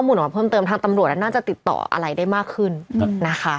ออกมาเพิ่มเติมทางตำรวจน่าจะติดต่ออะไรได้มากขึ้นนะคะ